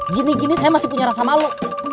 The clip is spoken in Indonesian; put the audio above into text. gini gini saya masih punya rasa malu